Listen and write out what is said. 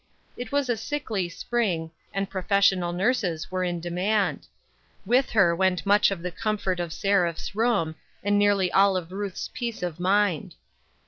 It was a sickly spring, and professional nurses were WAITING. 227 in demand. With her went much of the comfort of Seraph's room, and nearly all of Ruth's peace of mind.